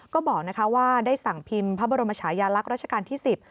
ก็บอกว่าได้สั่งพิมพ์พระบรมชายาลักษณ์ราชการที่๑๐